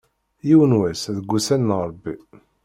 Yiwen wass, deg ussan n Ṛebbi.